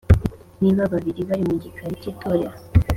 niba babiri bari mu gikari cy'itorero,